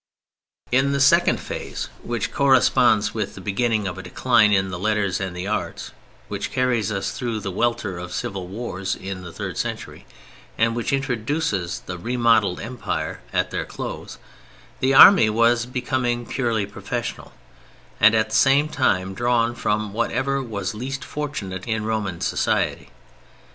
In the second phase (which corresponded with the beginning of a decline in letters and in the arts, which carries us through the welter of civil wars in the third century and which introduces the remodeled Empire at their close) the Army was becoming purely professional and at the same time drawn from whatever was least fortunate in Roman society.